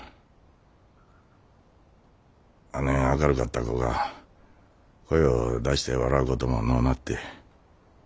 あねん明るかった子が声う出して笑うことものうなって。